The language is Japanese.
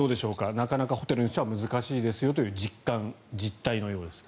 なかなかホテルの人は難しいという実感、実態のようです。